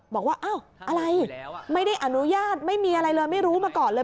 บอกว่าอ้าวอะไรไม่ได้อนุญาตไม่มีอะไรเลยไม่รู้มาก่อนเลย